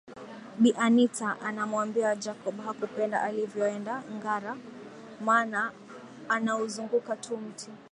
Bi Anita anamwambia Jacob hakupenda alivyoenda Ngara maana anauzunguka tu mti